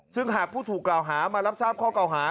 ซึ่งหากผู้ถูกกล่าวหามารับทราบข้อเก่าหา